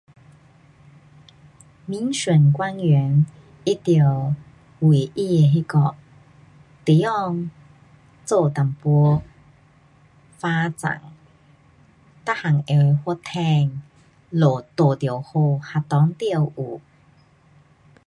民选官员他得为他的地方做一点发展，每样会发展，路要好，学校要有。